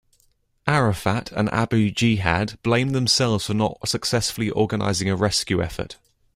Arafat and Abu Jihad blamed themselves for not successfully organizing a rescue effort.